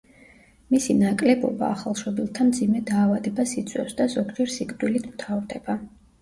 მისი ნაკლებობა ახალშობილთა მძიმე დაავადებას იწვევს და ზოგჯერ სიკვდილით მთავრდება.